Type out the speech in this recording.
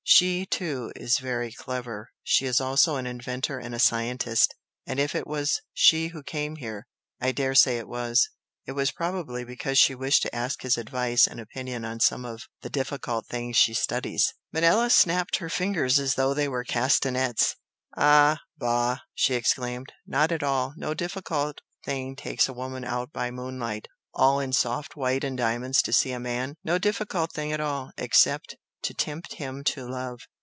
"She, too, is very clever, she is also an inventor and a scientist and if it was she who came here (I daresay it was!) it was probably because she wished to ask his advice and opinion on some of the difficult things she studies " Manella snapped her fingers as though they were castanets. "Ah bah!" she exclaimed "Not at all! No difficult thing takes a woman out by moonlight, all in soft white and diamonds to see a man! no difficult thing at all, except to tempt him to love!